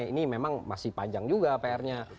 ini memang masih panjang juga pr nya